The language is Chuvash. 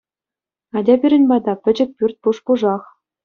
Атя пирӗн пата, пӗчӗк пӳрт пуш-пушах.